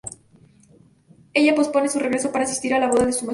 Ella pospone su regreso para asistir a la boda de su mejor amiga.